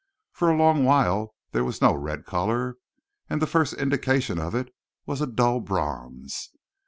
For a long while there was no red color, and the first indication of it was a dull bronze.